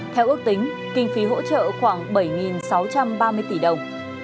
theo ước tính kinh phí hỗ trợ khoảng bảy sáu trăm ba mươi tỷ đồng